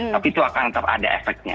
tapi itu akan ada efeknya